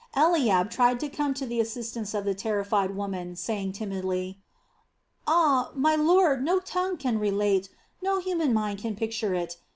Eliab tried to come to the assistance of the terrified woman, saying timidly, "Ah, my lord, no tongue can relate, no human mind can picture it.